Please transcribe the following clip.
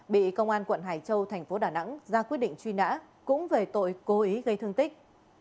bị công an quận hải châu thành phố đà nẵng ra quyết định truy nã cũng về tội cố ý gây thương tích